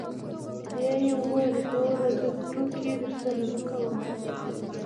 بيا يې وويل ګوره زه ټوکې درسره نه کوم.